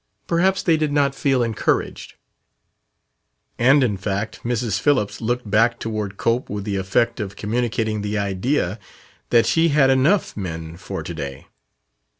Perhaps they did not feel "encouraged." And in fact Mrs. Phillips looked back toward Cope with the effect of communicating the idea that she had enough men for to day.